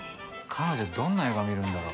彼女どんな映画見るんだろ？